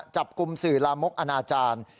จับกุมสื่อลามมกอาณาจารย์